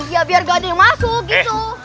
ya biar gak ada yang masuk gitu